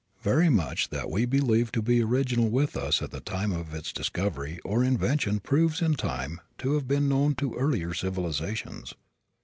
Very much that we believe to be original with us at the time of its discovery or invention proves in time to have been known to earlier civilizations.